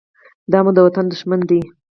دا مو د وطن دښمن دى.